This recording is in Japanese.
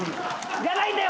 いらないんだよ